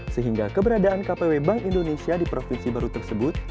sehingga keberadaan kpw bank indonesia di provinsi baru tersebut